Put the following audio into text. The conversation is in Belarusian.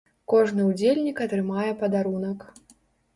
Кожны ўдзельнік атрымае падарунак.